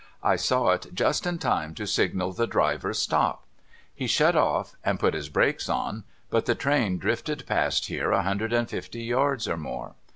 I saw it just in time to signal the driver, Stop ! He shut off", and put his brake on, but the train drifted past here a hundred and fifty yards or more.